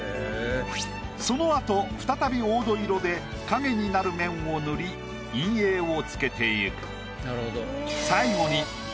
そのあと再び黄土色で影になる面を塗り陰影を付けていく。